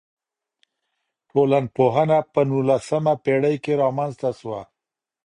ټولنپوهنه په نولسمه پېړۍ کي رامنځته سوه.